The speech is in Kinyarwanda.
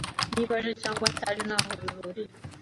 Niba aje cyangwa ataje ntaho bihuriye.